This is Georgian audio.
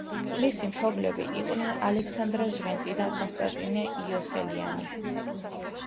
მისი მშობლები იყვნენ ალექსანდრა ჟღენტი და კონსტანტინე იოსელიანი.